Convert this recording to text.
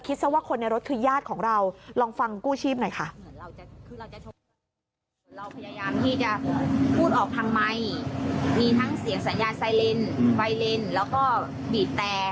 ซะว่าคนในรถคือญาติของเราลองฟังกู้ชีพหน่อยค่ะ